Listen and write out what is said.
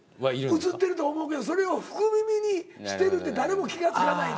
映ってると思うけどそれを福耳にしてるって誰も気が付かないねん。